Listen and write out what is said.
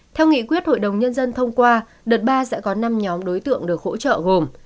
theo nghị quyết hội đồng nhân dân thông qua đợt ba sẽ có năm nhóm đối tượng được hỗ trợ gồm